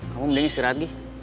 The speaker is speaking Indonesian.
kamu mudahnya istirahat gi